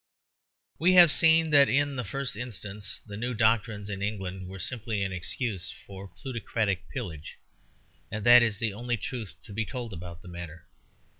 We have seen that in the first instance the new doctrines in England were simply an excuse for a plutocratic pillage, and that is the only truth to be told about the matter.